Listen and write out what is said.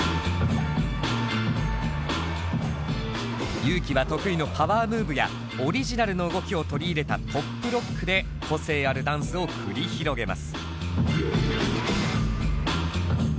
ＹＵ−ＫＩは得意のパワームーブやオリジナルの動きを取り入れたトップロックで個性あるダンスを繰り広げます。